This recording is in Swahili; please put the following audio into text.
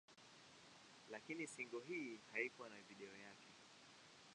Lakini single hii haikuwa na video yake.